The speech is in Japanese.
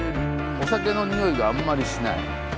お酒のにおいがあんまりしない。